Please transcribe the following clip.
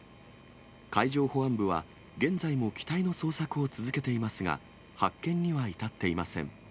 海上保安部は、現在も機体の捜索を続けていますが、発見には至っていません。